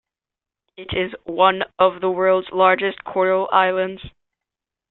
It is one of world's largest coral islands.